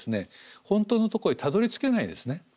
本当のとこへたどりつけないですね。